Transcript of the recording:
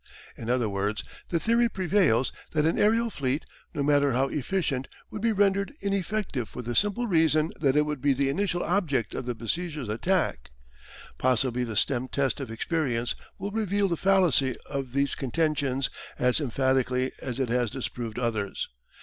In other words, the theory prevails that an aerial fleet, no matter how efficient, would be rendered ineffective for the simple reason that it would be the initial object of the besieger's attack. Possibly the stem test of experience will reveal the fallacy of these contentions as emphatically as it has disproved others.